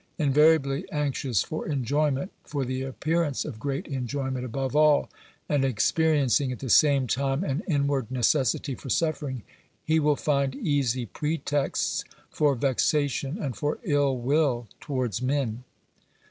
Invariably anxious for enjoyment, for the appearance of great enjoyment above all, and experiencing at the same time an inward necessity for suffering, he will find easy pretexts for vexation and for ill will towards men.